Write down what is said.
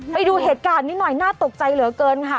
ไปดูเหตุการณ์นี้หน่อยน่าตกใจเหลือเกินค่ะ